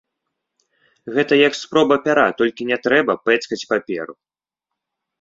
Гэта як спроба пяра, толькі не трэба пэцкаць паперу.